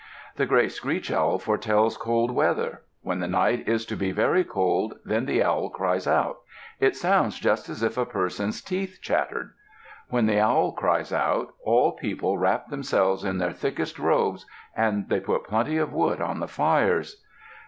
The gray screech owl foretells cold weather. When the night is to be very cold, then the owl cries out; it sounds just as if a person's teeth chattered. When the owl cries out, all people wrap themselves in their thickest robes; and they put plenty of wood on the fires.